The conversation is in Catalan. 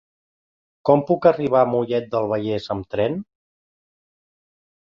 Com puc arribar a Mollet del Vallès amb tren?